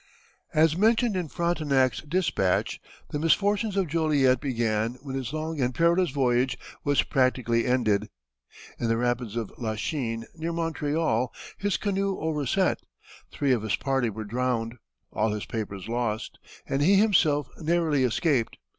As mentioned in Frontenac's dispatch, the misfortunes of Joliet began when his long and perilous voyage was practically ended. In the rapids of La Chine, near Montreal, his canoe overset; three of his party were drowned, all his papers lost, and he himself narrowly escaped.